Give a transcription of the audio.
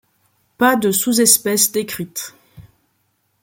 Pas de sous-espèce décrite.